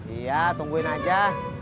iya tungguin aja